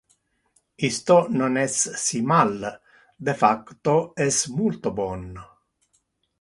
Isto non es si mal; de facto es multo bon.